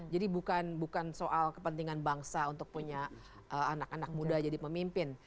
jadi bukan soal kepentingan bangsa untuk punya anak anak muda jadi pemimpin